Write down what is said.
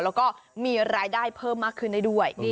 แล้วก็มีรายได้เพิ่มมากขึ้นได้ด้วย